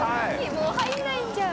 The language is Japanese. もう入らないじゃん。